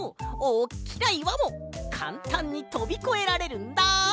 おっきないわもかんたんにとびこえられるんだ！